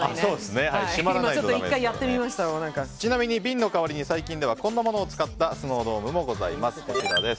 ちなみに瓶の代わりに最近ではこんなものを使ったスノードームもあります。